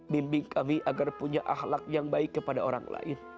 bimbing kami agar punya ahlak yang baik kepada orang lain